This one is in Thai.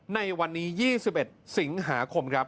ในวันนี้๒๑สิงหาคมครับ